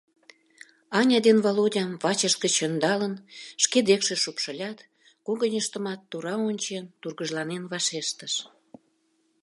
Аня ден Володям, вачышт гыч ӧндалын, шке декше шупшылят, когыньыштымат тура ончен, тургыжланен вашештыш: